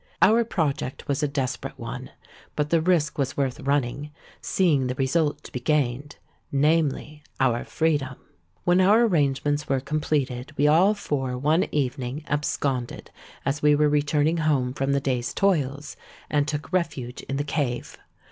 Our project was a desperate one; but the risk was worth running, seeing the result to be gained—namely, our freedom. When our arrangements were completed, we all four one evening absconded as we were returning home from the day's toils, and took refuge in the cave.